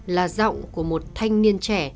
là giọng của một thanh niên trẻ